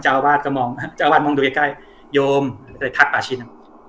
จัอยอาวาสมองอย่างใกล้โยมทักป่าชิน